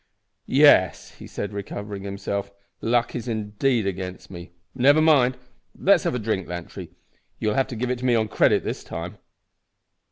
"Yes," he said, recovering himself, "luck is indeed against me. But never mind. Let's have a drink, Lantry; you'll have to give it me on credit this time!"